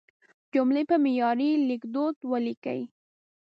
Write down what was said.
جملې په معیاري لیکدود ولیکئ.